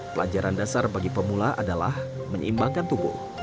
pelajaran dasar bagi pemula adalah menyeimbangkan tubuh